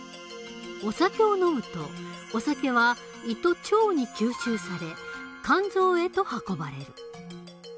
お酒を飲むとお酒は胃と腸に吸収され肝臓へと運ばれる。